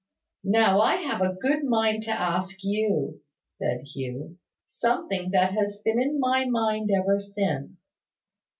"Now I have a good mind to ask you," said Hugh, "something that has been in my mind ever since."